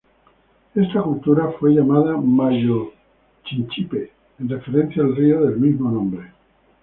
Esta cultura fue llamada Mayo-Chinchipe en referencia al río del mismo nombre.